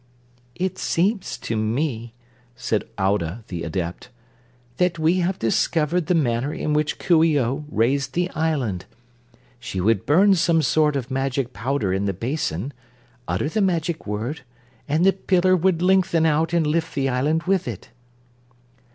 "It seems to me," said Audah the Adept, "that we have discovered the manner in which Coo ee oh raised the island. She would burn some sort of magic powder in the basin, utter the magic word, and the pillar would lengthen out and lift the island with it."